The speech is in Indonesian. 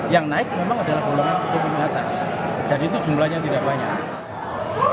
yang naik memang adalah golongan untuk menetas dan itu jumlahnya tidak banyak